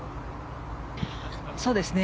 そうですね。